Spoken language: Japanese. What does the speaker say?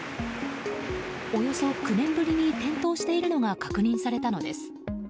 およそ９年ぶりに点灯しているのが確認されたのです。